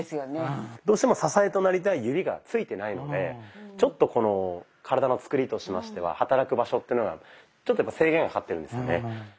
うん。どうしても支えとなりたい指が着いてないのでちょっとこの体のつくりとしましては働く場所っていうのがちょっとやっぱ制限がかかってるんですよね。